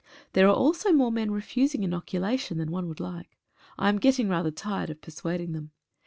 There are also more men refusing inoculation than one would like. I am getting rather tired of persuading them.